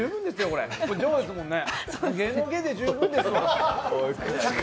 これ上ですもんね！